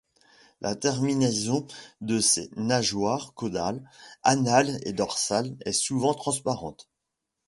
La terminaison de ses nageoires caudales, anales et dorsales est souvent transparente.